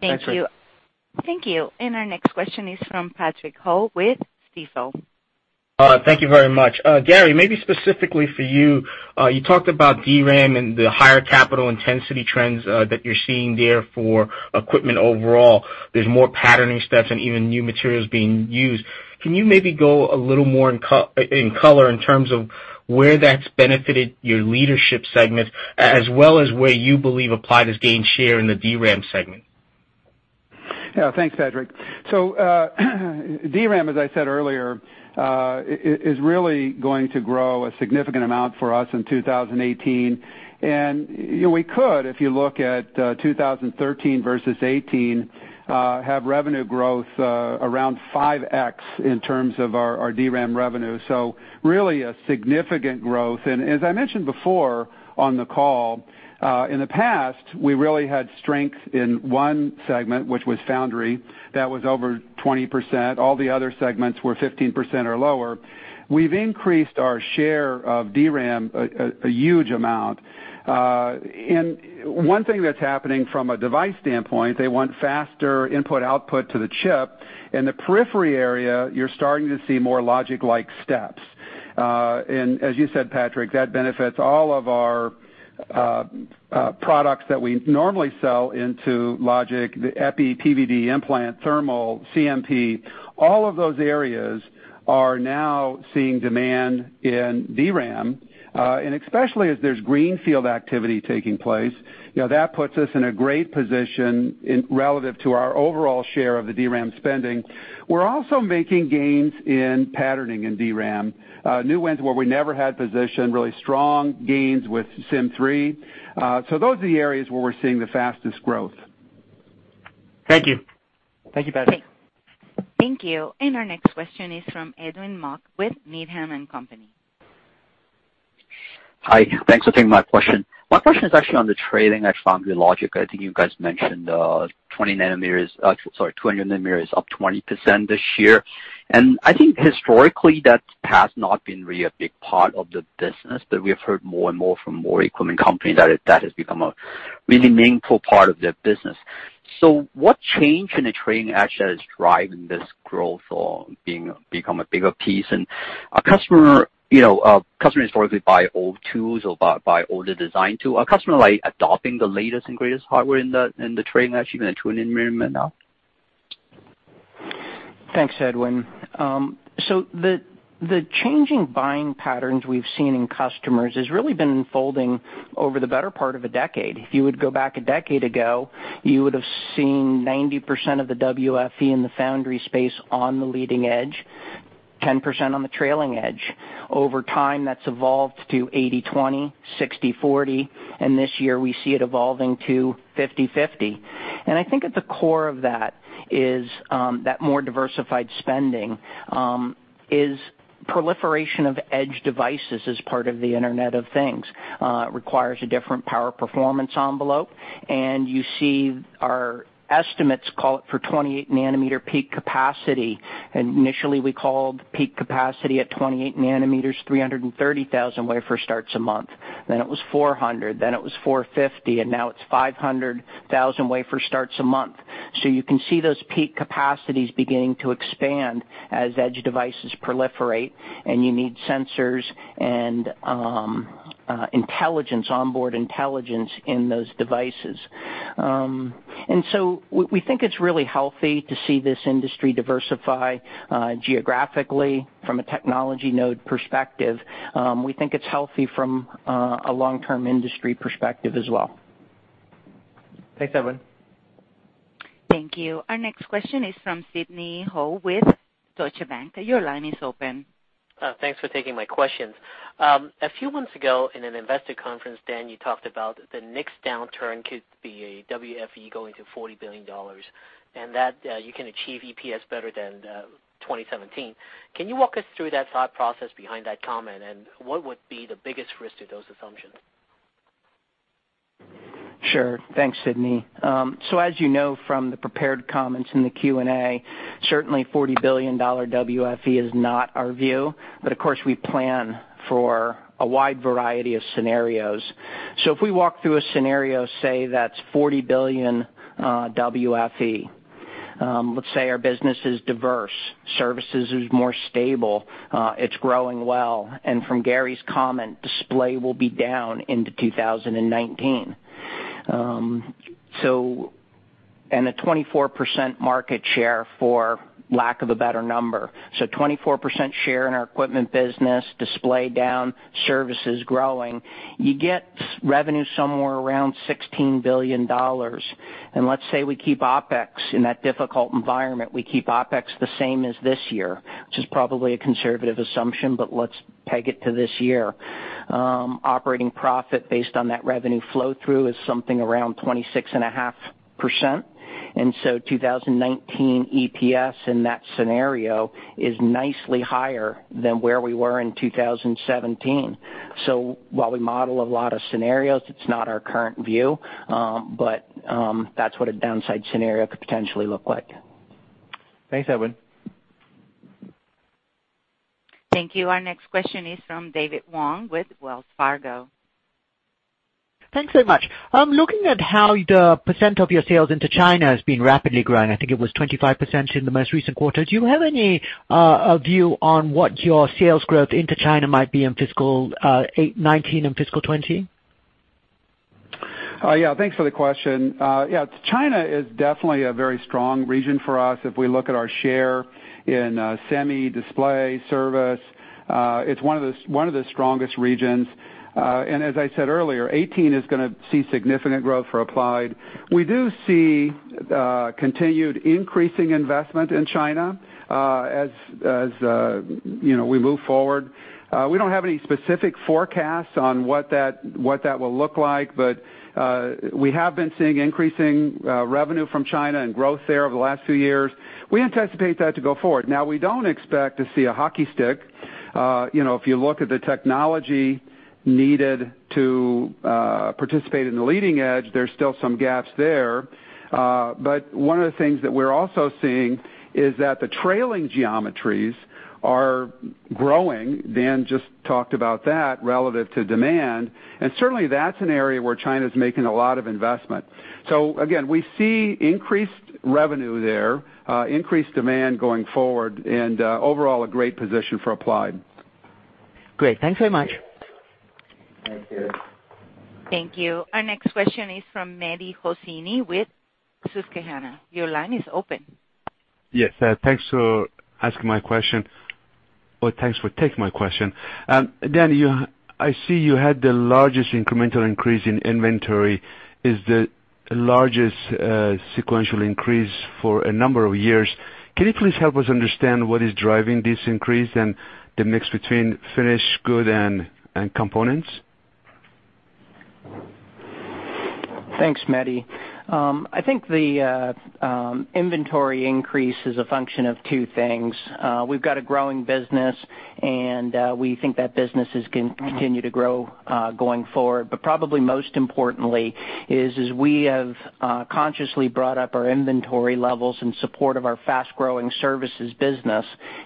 Thanks, Krish. Thank you. Our next question is from Patrick Ho with Stifel. Thank you very much. Gary, maybe specifically for you talked about DRAM and the higher capital intensity trends that you're seeing there for equipment overall. There's more patterning steps and even new materials being used. Can you maybe go a little more in color in terms of where that's benefited your leadership segment as well as where you believe Applied has gained share in the DRAM segment? Yeah. Thanks, Patrick. DRAM, as I said earlier, is really going to grow a significant amount for us in 2018. We could, if you look at 2013 versus 2018, have revenue growth around 5X in terms of our DRAM revenue. Really a significant growth. As I mentioned before on the call, in the past, we really had strength in one segment, which was foundry. That was over 20%. All the other segments were 15% or lower. We've increased our share of DRAM a huge amount. One thing that's happening from a device standpoint, they want faster input-output to the chip. In the periphery area, you're starting to see more logic-like steps. As you said, Patrick, that benefits all of our products that we normally sell into logic, the EPI, PVD, implant, thermal, CMP, all of those areas are now seeing demand in DRAM. Especially as there's greenfield activity taking place, that puts us in a great position relative to our overall share of the DRAM spending. We're also making gains in patterning in DRAM. New wins where we never had position, really strong gains with Sym3. Those are the areas where we're seeing the fastest growth. Thank you. Thank you, Patrick. Thank you. Our next question is from Edwin Mok with Needham & Company. Hi. Thanks for taking my question. My question is actually on the trailing edge foundry logic. I think you guys mentioned 200 millimeters up 20% this year. I think historically, that has not been really a big part of the business, but we have heard more and more from more equipment companies that has become a really meaningful part of their business. What change in the trailing edge that is driving this growth or become a bigger piece? Customers historically buy old tools or buy older design tool. Are customers adopting the latest and greatest hardware in the trailing edge even at 200 nanometer now? Thanks, Edwin. The changing buying patterns we've seen in customers has really been unfolding over the better part of a decade. If you would go back a decade ago, you would have seen 90% of the WFE in the foundry space on the leading edge, 10% on the trailing edge. Over time, that's evolved to 80/20, 60/40, and this year we see it evolving to 50/50. I think at the core of that is that more diversified spending is proliferation of edge devices as part of the Internet of Things. It requires a different power performance envelope, and you see our estimates call it for 28-nanometer peak capacity. Initially, we called peak capacity at 28 nanometers 330,000 wafer starts a month. Then it was 400,000, then it was 450,000, and now it's 500,000 wafer starts a month. You can see those peak capacities beginning to expand as edge devices proliferate, and you need sensors and onboard intelligence in those devices. We think it's really healthy to see this industry diversify geographically from a technology node perspective. We think it's healthy from a long-term industry perspective as well. Thanks, Edwin. Thank you. Our next question is from Sidney Ho with Deutsche Bank. Your line is open. Thanks for taking my questions. A few months ago in an investor conference, Dan, you talked about the next downturn could be a WFE going to $40 billion and that you can achieve EPS better than 2017. Can you walk us through that thought process behind that comment, and what would be the biggest risk to those assumptions? Sure. Thanks, Sidney. As you know from the prepared comments in the Q&A, certainly $40 billion WFE is not our view, but of course, we plan for a wide variety of scenarios. If we walk through a scenario, say, that's $40 billion WFE. Let's say our business is diverse. Services is more stable. It's growing well, and from Gary's comment, display will be down into 2019. A 24% market share, for lack of a better number. 24% share in our equipment business, display down, services growing. You get revenue somewhere around $16 billion. Let's say we keep OpEx in that difficult environment, we keep OpEx the same as this year, which is probably a conservative assumption, but let's peg it to this year. Operating profit based on that revenue flow-through is something around 26.5%. 2019 EPS in that scenario is nicely higher than where we were in 2017. While we model a lot of scenarios, it's not our current view, but that's what a downside scenario could potentially look like. Thanks, Edwin. Thank you. Our next question is from David Wong with Wells Fargo. Thanks so much. Looking at how the percent of your sales into China has been rapidly growing, I think it was 25% in the most recent quarter. Do you have any view on what your sales growth into China might be in fiscal 2019 and fiscal 2020? Thanks for the question. China is definitely a very strong region for us. If we look at our share in semi display service, it's one of the strongest regions. As I said earlier, 2018 is going to see significant growth for Applied. We do see continued increasing investment in China, as we move forward. We don't have any specific forecasts on what that will look like, but we have been seeing increasing revenue from China and growth there over the last few years. We anticipate that to go forward. We don't expect to see a hockey stick. If you look at the technology needed to participate in the leading edge, there's still some gaps there. One of the things that we're also seeing is that the trailing geometries are growing, Dan just talked about that, relative to demand, and certainly that's an area where China's making a lot of investment. Again, we see increased revenue there, increased demand going forward, and overall, a great position for Applied. Great. Thanks very much. Thanks, David. Thank you. Our next question is from Mehdi Hosseini with Susquehanna. Your line is open. Yes. Thanks for taking my question. Dan, I see you had the largest incremental increase in inventory, is the largest sequential increase for a number of years. Can you please help us understand what is driving this increase and the mix between finished good and components? Thanks, Mehdi. I think the inventory increase is a function of two things. We've got a growing business. We think that business is going to continue to grow, going forward. Probably most importantly is we have consciously brought up our inventory levels in support of our fast-growing services business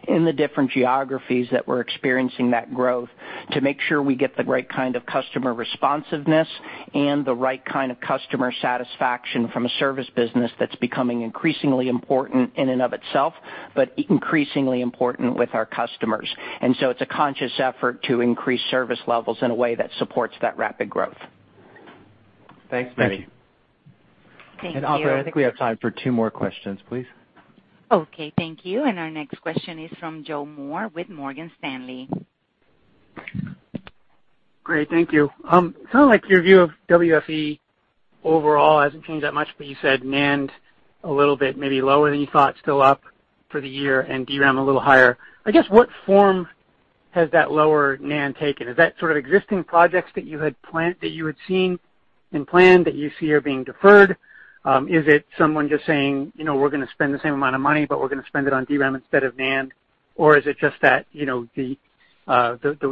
in the different geographies that we're experiencing that growth, to make sure we get the right kind of customer responsiveness and the right kind of customer satisfaction from a service business that's becoming increasingly important in and of itself, but increasingly important with our customers. It's a conscious effort to increase service levels in a way that supports that rapid growth. Thanks, Mehdi. Thank you. Thank you. Operator, I think we have time for two more questions, please. Okay, thank you. Our next question is from Joe Moore with Morgan Stanley. Great, thank you. Kind of like your view of WFE overall hasn't changed that much, but you said NAND a little bit, maybe lower than you thought, still up for the year, and DRAM a little higher. I guess what form has that lower NAND taken? Is that sort of existing projects that you had seen and planned that you see are being deferred? Is it someone just saying, "We're going to spend the same amount of money, but we're going to spend it on DRAM instead of NAND"? Is it just that the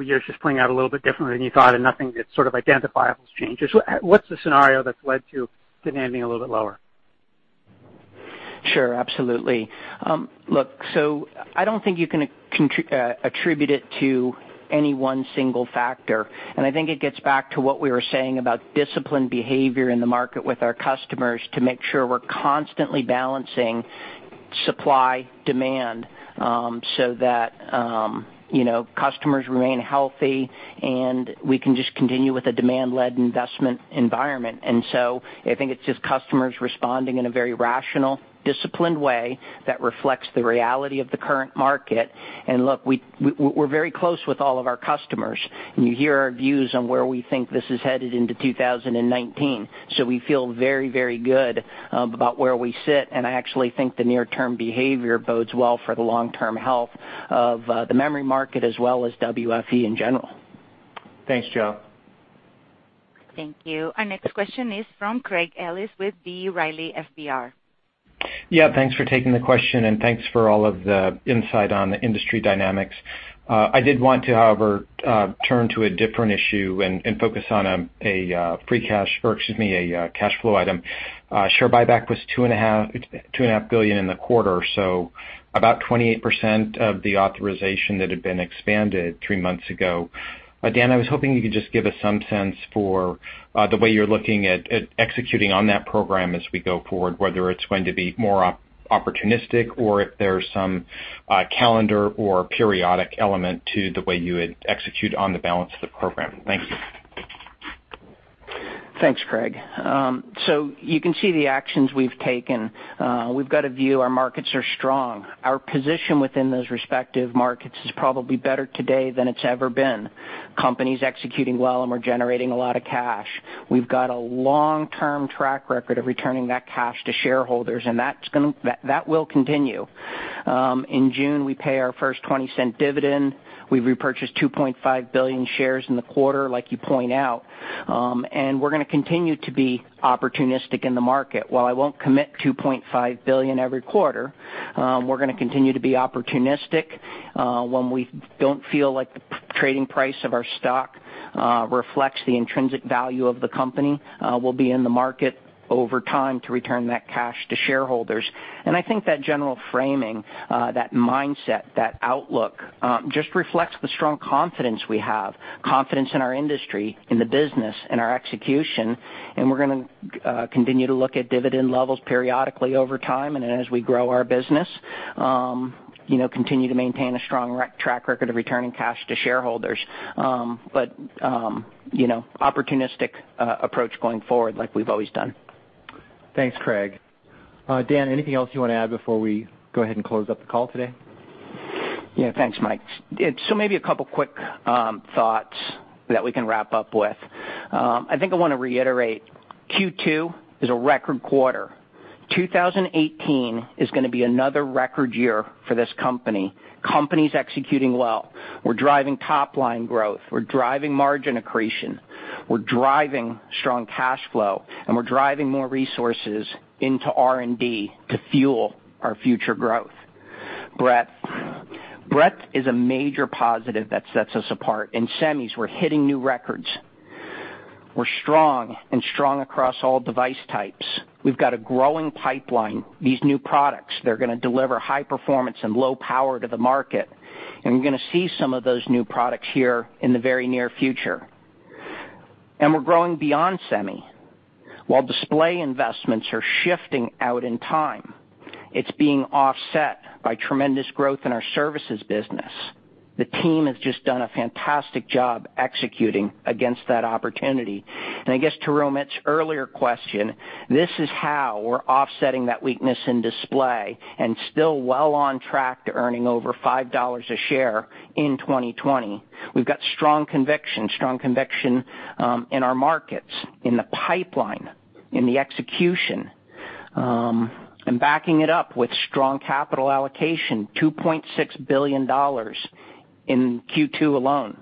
year's just playing out a little bit different than you thought and nothing that's sort of identifiable as changes? What's the scenario that's led to the NAND being a little bit lower? Sure, absolutely. Look, I don't think you can attribute it to any one single factor, I think it gets back to what we were saying about disciplined behavior in the market with our customers to make sure we're constantly balancing supply-demand, so that customers remain healthy, and we can just continue with a demand-led investment environment. I think it's just customers responding in a very rational, disciplined way that reflects the reality of the current market. Look, we're very close with all of our customers, and you hear our views on where we think this is headed into 2019. We feel very, very good about where we sit, and I actually think the near-term behavior bodes well for the long-term health of the memory market as well as WFE in general. Thanks, Joe. Thank you. Our next question is from Craig Ellis with B. Riley FBR. Yeah, thanks for taking the question. Thanks for all of the insight on the industry dynamics. I did want to, however, turn to a different issue and focus on a cash flow item. Share buyback was $2.5 billion in the quarter, so about 28% of the authorization that had been expanded three months ago. Dan, I was hoping you could just give us some sense for the way you're looking at executing on that program as we go forward, whether it's going to be more opportunistic or if there's some calendar or periodic element to the way you would execute on the balance of the program. Thank you. Thanks, Craig. You can see the actions we've taken. We've got a view our markets are strong. Our position within those respective markets is probably better today than it's ever been. Company's executing well, and we're generating a lot of cash. We've got a long-term track record of returning that cash to shareholders, and that will continue. In June, we pay our first $0.20 dividend. We've repurchased 2.5 billion shares in the quarter, like you point out. We're going to continue to be opportunistic in the market. While I won't commit 2.5 billion every quarter, we're going to continue to be opportunistic. When we don't feel like the trading price of our stock reflects the intrinsic value of the company, we'll be in the market over time to return that cash to shareholders. I think that general framing, that mindset, that outlook, just reflects the strong confidence we have, confidence in our industry, in the business, in our execution, we're going to continue to look at dividend levels periodically over time, as we grow our business, continue to maintain a strong track record of returning cash to shareholders. Opportunistic approach going forward like we've always done. Thanks, Craig. Dan, anything else you want to add before we go ahead and close up the call today? Thanks, Mike. Maybe a couple quick thoughts that we can wrap up with. I want to reiterate, Q2 is a record quarter. 2018 is going to be another record year for this company. Company's executing well. We're driving top-line growth. We're driving margin accretion. We're driving strong cash flow, and we're driving more resources into R&D to fuel our future growth. Breadth. Breadth is a major positive that sets us apart. In semis, we're hitting new records. We're strong, and strong across all device types. We've got a growing pipeline. These new products, they're going to deliver high performance and low power to the market, and we're going to see some of those new products here in the very near future. We're growing beyond semi. While display investments are shifting out in time, it's being offset by tremendous growth in our services business. The team has just done a fantastic job executing against that opportunity. I guess to Romit's earlier question, this is how we're offsetting that weakness in display and still well on track to earning over $5 a share in 2020. We've got strong conviction, strong conviction in our markets, in the pipeline, in the execution, and backing it up with strong capital allocation, $2.6 billion in Q2 alone.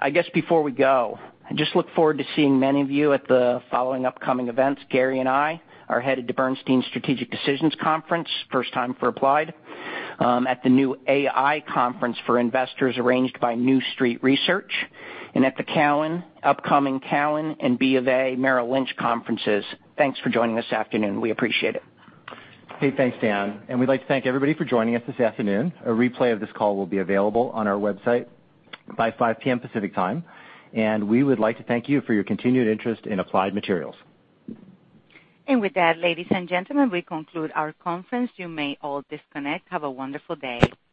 I guess before we go, I just look forward to seeing many of you at the following upcoming events. Gary and I are headed to Bernstein's Strategic Decisions Conference, first time for Applied, at the new AI conference for investors arranged by New Street Research, and at the upcoming Cowen and BofA Merrill Lynch conferences. Thanks for joining this afternoon. We appreciate it. Okay. Thanks, Dan. We'd like to thank everybody for joining us this afternoon. A replay of this call will be available on our website by 5:00 P.M. Pacific Time. We would like to thank you for your continued interest in Applied Materials. With that, ladies and gentlemen, we conclude our conference. You may all disconnect. Have a wonderful day.